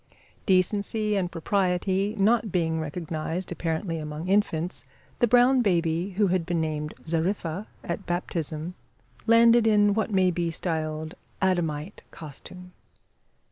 Decency and propriety not being recognised, apparently, among infants, the brown baby who had been named Zariffa at baptism landed in what may be styled Adamite costume.